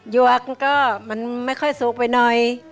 วกก็มันไม่ค่อยสูงไปหน่อย